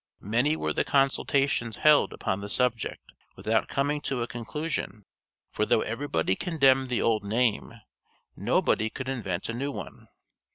Many were the consultations held upon the subject without coming to a conclusion, for though everybody condemned the old name, nobody could invent a new one.